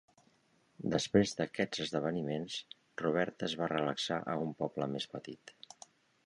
Després d"aquests esdeveniments, Roberta es va relaxar a un poble més petit.